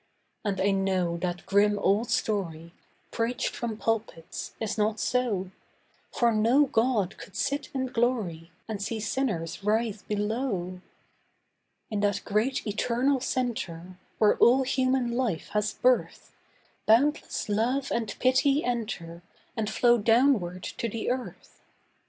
And I know that grim old story, Preached from pulpits, is not so, For no God could sit in glory And see sinners writhe below. In that great eternal Centre Where all human life has birth, Boundless love and pity enter And flow downward to the earth.